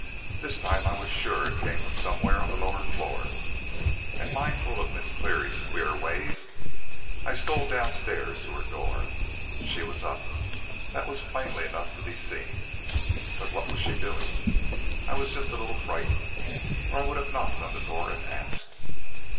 This time I was sure it came from somewhere on the lower floor, and mindful of Mrs. Clery's queer ways, I stole downstairs to her door. She was up that was plainly enough to be seen. But what was she doing? I was just a little frightened, or I would have knocked on the door and asked.